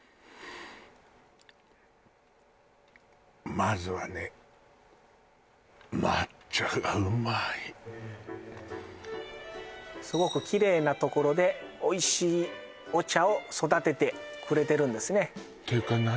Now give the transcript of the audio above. まずはねすごくきれいな所でおいしいお茶を育ててくれてるんですねていうか何？